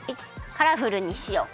カラフルにしよう。